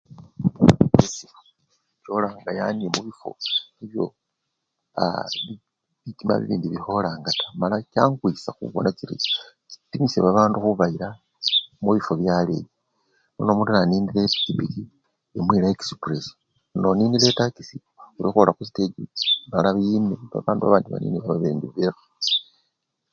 Cholanga yani mubifwo naa! ye bitima bibindi bikholanga taa, mala changuwisya khubona chiri chitimisya bandu khubayila mubifwo bye aleyi, nono omundu naninile epikipiki emuyila express neno ninile etaxi, olikhwola khusitechi mala wime babandu babandi banine bekhale.